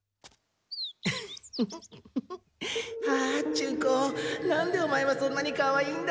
ジュンコなんでオマエはそんなにかわいいんだ？